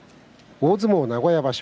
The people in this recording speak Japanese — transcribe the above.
大相撲名古屋場所